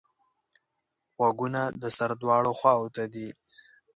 غوږونه د سر دواړو خواوو ته دي